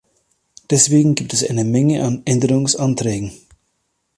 Deswegen gibt es eine Menge an Änderungsanträgen.